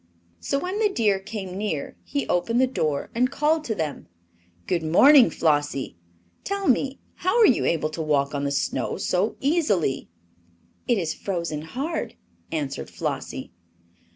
So when the deer came near he opened the door and called to them: "Good morning, Flossie! Tell me how you are able to walk on the snow so easily." "It is frozen hard," answered Flossie.